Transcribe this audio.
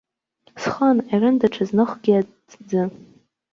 Схы анҟьарын даҽазныкгьы аҭӡы.